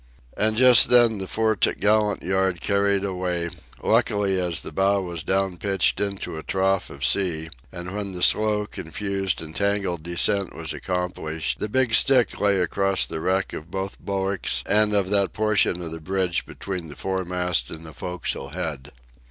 And just then the fore topgallant yard carried away—luckily as the bow was down pitched into a trough of sea and when the slow, confused, and tangled descent was accomplished the big stick lay across the wreck of both bulwarks and of that portion of the bridge between the foremast and the forecastle head.